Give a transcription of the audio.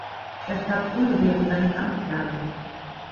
Er starb früh während seines Amtsjahres.